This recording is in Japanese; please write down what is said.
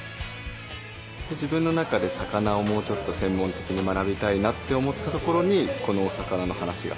自分の中で魚をもうちょっと専門的に学びたいなって思ってたところにこのお魚の話が。